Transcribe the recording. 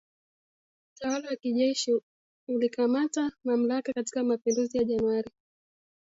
Utawala wa kijeshi ulikamata mamlaka katika mapinduzi ya Januari